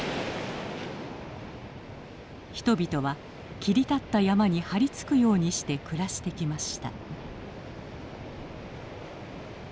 人々は切り立った山に張り付くようにして暮らしてきました。